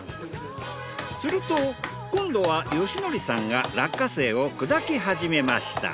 すると今度は伯省さんが落花生を砕き始めました。